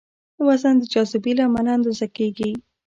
وزن د جاذبې له امله اندازه کېږي.